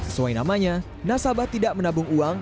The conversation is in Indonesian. sesuai namanya nasabah tidak menabung uang